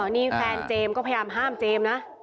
นี่แฟนเจมส์ก็พยายามห้ามเจมส์นะ